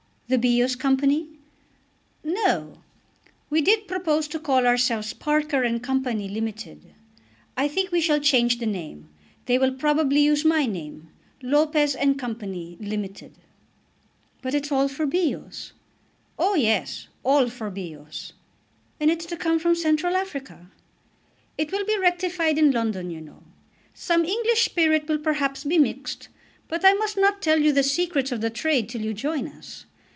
"The Bios Company?" "No; we did propose to call ourselves Parker and Co., limited. I think we shall change the name. They will probably use my name. Lopez and Co., limited." "But it's all for Bios?" "Oh yes; all for Bios." "And it's to come from Central Africa?" "It will be rectified in London, you know. Some English spirit will perhaps be mixed. But I must not tell you the secrets of the trade till you join us.